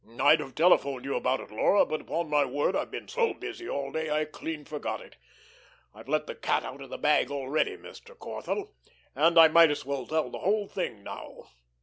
I'd have telephoned you about it, Laura, but upon my word I've been so busy all day I clean forgot it. I've let the cat out of the bag already, Mr. Corthell, and I might as well tell the whole thing now.